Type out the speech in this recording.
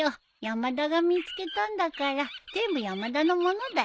山田が見つけたんだから全部山田のものだよ。